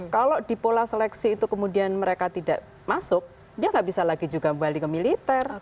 kalau di pola seleksi itu kemudian mereka tidak masuk dia nggak bisa lagi juga kembali ke militer